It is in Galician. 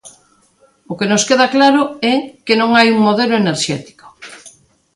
O que nos queda claro é que non hai un modelo enerxético.